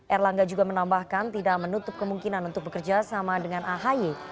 erlangga juga menambahkan tidak menutup kemungkinan untuk bekerja sama dengan ahy